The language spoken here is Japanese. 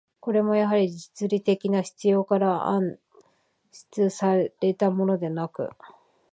これもやはり、実利的な必要から案出せられたものではなく、